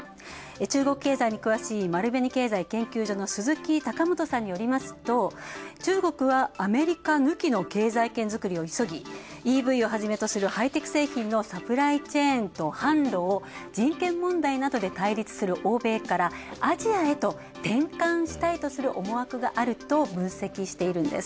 中国経済に詳しい丸紅経済研究所の鈴木貴元さんによりますと、中国はアメリカ抜きの経済圏づくりを急ぎＥＶをはじめとするハイテク製品のサプライチェーンの販路を人権問題などで対立する欧米からアジアへと転換したいとする思惑があると分析しているんです。